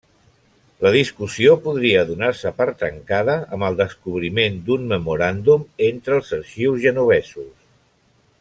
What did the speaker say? La discussió podria donar-se per tancada amb el descobriment d'un memoràndum entre els arxius genovesos.